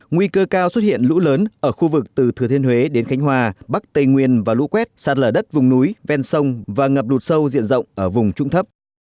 nguy cơ cao xuất hiện lũ lớn ở khu vực từ thừa thiên huế đến khánh hòa bắc tây nguyên và lũ quét sạt lở đất vùng núi ven sông và ngập lụt sâu diện rộng ở vùng trũng thấp